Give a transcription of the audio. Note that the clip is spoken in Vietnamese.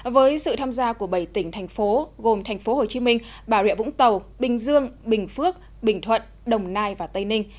với sự tham gia của bảy tỉnh thành phố gồm thành phố hồ chí minh bà rịa vũng tàu bình dương bình phước bình thuận đồng nai và tây ninh